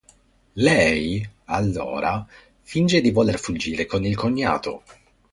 Lei, allora, finge di voler fuggire con il cognato.